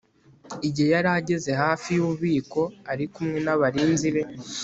igihe yari ageze hafi y'ububiko ari kumwe n'abarinzi be